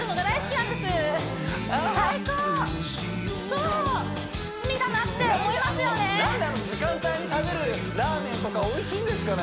なんであの時間帯に食べるラーメンとかおいしいんですかね？